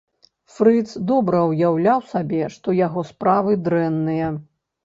Фрыц добра ўяўляе сабе, што яго справы дрэнныя.